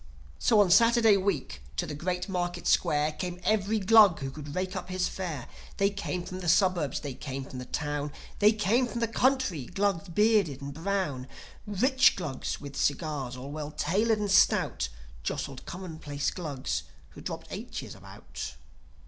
So on Saturday week to the Great Market Square Came every Glug who could rake up his fare. They came from the suburbs, they came from the town, There came from the country Glugs bearded and brown, Rich Glugs, with cigars, all well tailored and stout, Jostled commonplace Glugs who dropped aitches about.